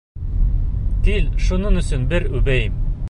Кил, шуның өсөн бер үбәйем!